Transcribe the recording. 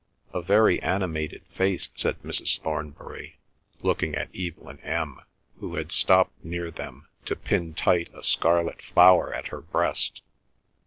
"A very animated face," said Mrs. Thornbury, looking at Evelyn M. who had stopped near them to pin tight a scarlet flower at her breast.